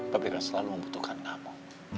papi kan selalu membutuhkan kamu